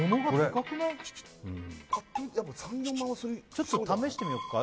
ちょっと試してみようか？